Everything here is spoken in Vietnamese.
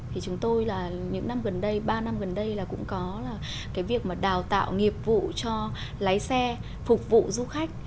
thì chúng tôi là những năm gần đây ba năm gần đây là cũng có cái việc mà đào tạo nghiệp vụ cho lái xe phục vụ du khách